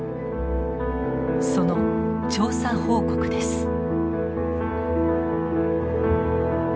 その調査報告です。